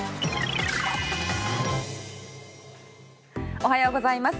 おはようございます。